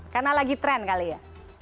karena lagi trend kali ya